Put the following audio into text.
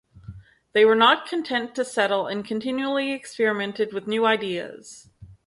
They were not content to settle and continually experimented with new ideas.